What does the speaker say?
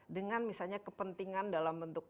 dengan misalnya kepentingan dalam bentuk